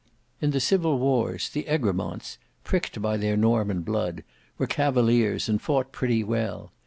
In the civil wars, the Egremonts pricked by their Norman blood, were cavaliers and fought pretty well.